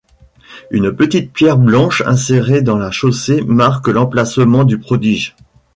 Une petite pierre blanche insérée dans la chaussée marque l'emplacement du prodige.